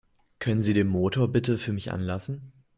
Können Sie den Motor bitte für mich anlassen?